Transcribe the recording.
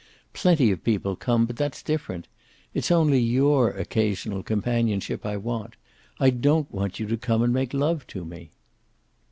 Plenty of people come, but that's different. It's only your occasional companionship I want. I don't want you to come and make love to me."